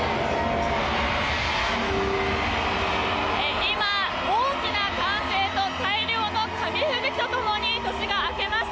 今、大きな歓声と大量の紙吹雪とともに年が明けました。